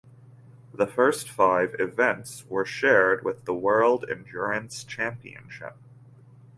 The first five events were shared with the World Endurance Championship.